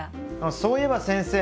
そういえば先生